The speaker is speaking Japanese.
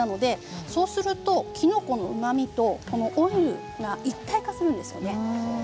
そうすると、きのこのうまみとオイルが一体化するんですね。